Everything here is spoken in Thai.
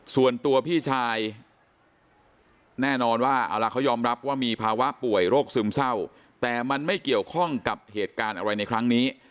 ส่วนตัวพี่ชายแน่นอนว่าเอาล่ะเขายอมรับว่ามีภาวะป่วยโรคซึมเศร้าแต่มันไม่เกี่ยวข้องกับเหตุการณ์อะไรในครั้งนี้